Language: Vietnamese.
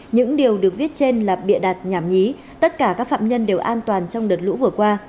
những điều được viết trên là bịa đặt nhảm nhí tất cả các phạm nhân đều an toàn trong đợt lũ vừa qua